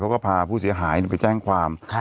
พาผู้เสียหายไปแจ้งความ